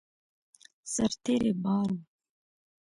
سرتېري بار وو.